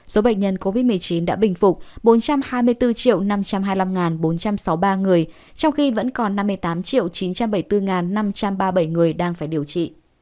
số bệnh nhân covid một mươi chín đã bình phục bốn trăm hai mươi bốn năm trăm hai mươi năm bốn trăm sáu mươi ba người trong khi vẫn còn năm mươi tám chín trăm bảy mươi bốn năm trăm ba mươi bảy người đang phải điều trị